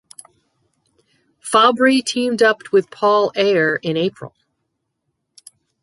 Fabbri teamed up with Paul Ayer in April.